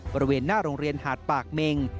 บริเวณหน้าโรงเรียนหาดปากเมง